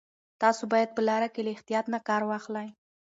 تاسو باید په لاره کې له احتیاط نه کار واخلئ.